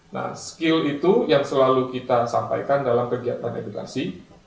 nah skill itu yang selalu kita sampaikan dalam kegiatan edukasi